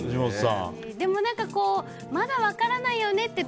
でも、まだ分からないよねって